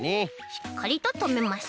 しっかりととめます。